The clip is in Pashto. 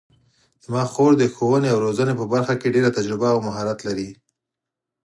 زما خور د ښوونې او روزنې په برخه کې ډېره تجربه او مهارت لري